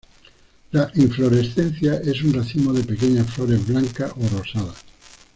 La inflorescencia es un racimo de pequeñas flores blancas o rosadas.